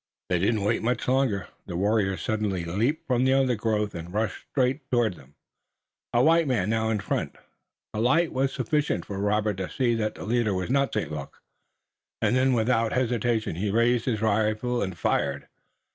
They did not wait much longer. The warriors suddenly leaped from the undergrowth and rushed straight toward them, a white man now in front. The light was sufficient for Robert to see that the leader was not St. Luc, and then without hesitation he raised his rifle and fired.